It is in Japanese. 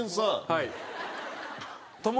はい。